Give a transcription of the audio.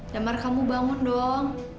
damar kamu bangun dong